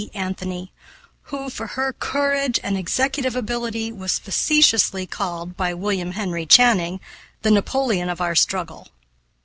Anthony, who, for her courage and executive ability, was facetiously called by William Henry Channing, the Napoleon of our struggle.